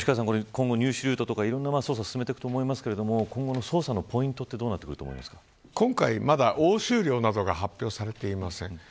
今後、入手ルートとかそういう捜査進めていくと思いますが今後の捜査のポイントは今回は押収量などが発表されていません。